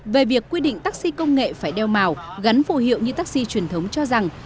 về việc quy định taxi công nghệ phải đeo màu gắn phù hiệu như taxi truyền thống cho rằng